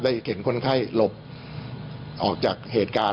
เห็นคนไข้หลบออกจากเหตุการณ์